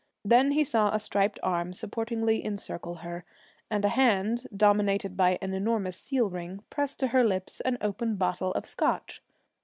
Then he saw a striped arm supportingly encircle her, and a hand dominated by an enormous seal ring press to her lips an open bottle of Scotch.